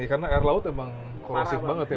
ya karena air laut emang koresik banget ya